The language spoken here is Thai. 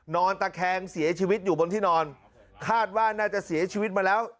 นอนตะแคงเสียชีวิตอยู่บนที่นอนคาดว่าน่าจะเสียชีวิตมาแล้ว